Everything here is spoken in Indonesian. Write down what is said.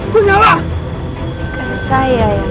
penyala saya yang